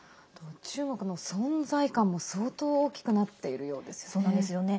中国の存在感も相当大きくなっているようですよね。